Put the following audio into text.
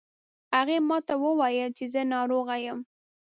هغې ما ته وویل چې زه ناروغه یم